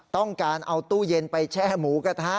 ต้องการเอาตู้เย็นไปแช่หมูกระทะ